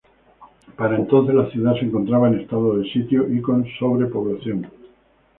Para entonces la ciudad se encontraba en estado de sitio y con sobrepoblación.